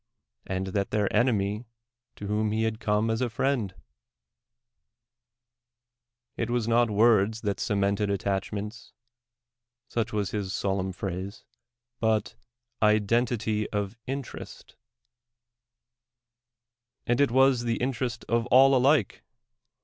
and that their enemy to whom he had come as a friend — it was not words that cemented attachments (such was his solemn phrase), but identity of interest; and it was the interest of all alike.